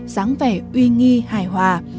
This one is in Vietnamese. giáng vẻ uy nghi hài hòa